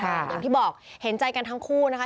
อย่างที่บอกเห็นใจกันทั้งคู่นะคะ